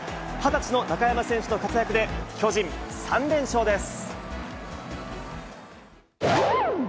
２０歳の中山選手の活躍で、巨人、３連勝です。